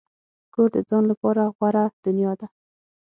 کور د ځان لپاره غوره دنیا ده.